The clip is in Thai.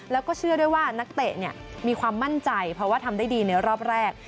แล้วก็เชื่อด้วยว่านักเตะมีความมั่นใจเพราะว่าทำได้ดีในรอบแรก